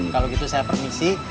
kalau gitu saya permisi